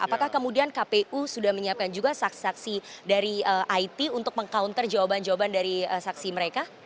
apakah kemudian kpu sudah menyiapkan juga saksi saksi dari it untuk meng counter jawaban jawaban dari saksi mereka